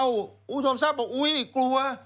กูจอมทรัพย์กลัว